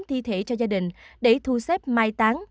thi thể cho gia đình để thu xếp mai tán